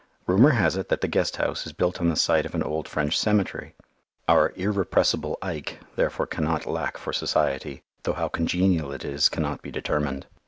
Rumour has it that the Guest House is built on the site of an old French cemetery. Our "irrepressible Ike" therefore cannot lack for society, though how congenial it is cannot be determined.